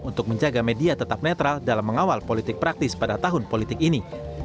untuk menjaga media tetap netral dalam mengawal politik praktis pada tahun politik ini